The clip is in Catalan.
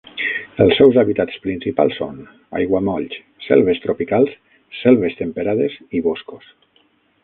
Els seus hàbitats principals són: aiguamolls, selves tropicals, selves temperades i boscos.